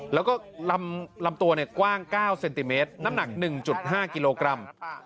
แล้วก็ลำตัวกว้าง๙เซนติเมตรน้ำหนัก๑๕กิโลกรัม